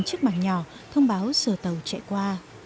chiếc mạng nhỏ thông báo sờ tàu chạy qua